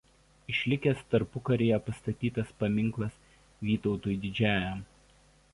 Išlikęs tarpukaryje pastatytas paminklas Vytautui Didžiajam.